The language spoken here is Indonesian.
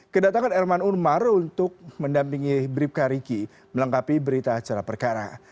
kedatangan erman unmar untuk mendampingi bribka riki melengkapi berita acara perkara